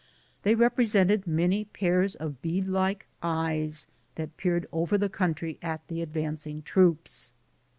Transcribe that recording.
They represented many pairs of bead like eyes, that peered over the country at the advancing troops.